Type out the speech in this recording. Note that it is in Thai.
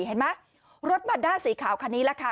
เห็นไหมรถมัดด้าสีขาวคันนี้แหละค่ะ